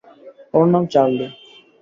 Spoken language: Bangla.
ওর নাম চার্লি।